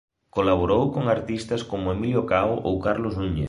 Colaborou con artistas como Emilio Cao ou Carlos Núñez.